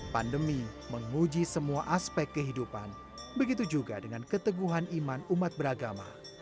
pandemi menguji semua aspek kehidupan begitu juga dengan keteguhan iman umat beragama